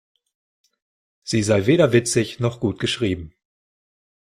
Sie sei weder witzig noch gut geschrieben.